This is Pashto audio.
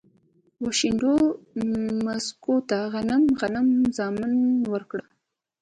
و، شنډو مځکوته غنم، غنم زامن ورکړه